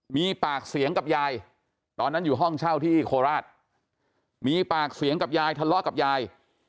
มีปากเสียงกับยายตอนนั้นอยู่ห้องเช่าที่โคราชมีปากเสียงกับยายทะเลาะกับยาย